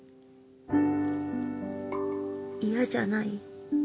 嫌じゃない？